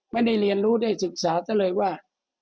ไม่ได้เรียนรู้ได้ศึกษาซะเลยว่า